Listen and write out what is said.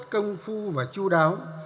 rất công phu và chú đáo